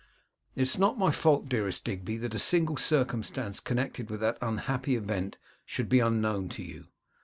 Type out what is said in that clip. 'It is not my fault, dearest Digby, that a single circumstance connected with that unhappy event should be unknown to you.